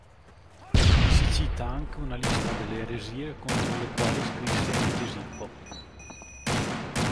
Vi si cita anche una lista delle eresie contro le quali scrisse Egesippo.